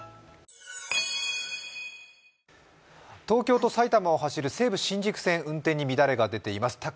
東京と埼玉を走る西武新宿線、運転に乱れが出ています。